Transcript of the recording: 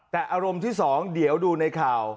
แต่อารมณ์ที่๒เดี๋ยวดูในข่าว